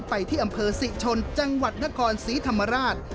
ไปที่อำเภอศรีชนจังหวัดนครศรีธรรมราช